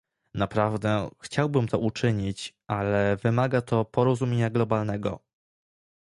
Naprawdę chciałbym to uczynić, ale wymaga to porozumienia globalnego